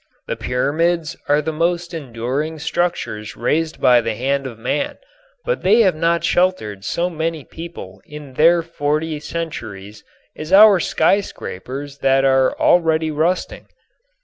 The pyramids are the most enduring structures raised by the hand of man, but they have not sheltered so many people in their forty centuries as our skyscrapers that are already rusting.